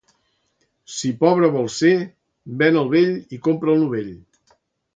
Si pobre vols ser, ven el vell i compra el novell.